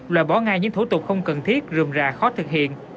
loại bỏ ngay những thủ tục không cần thiết rượm rà khó thực hiện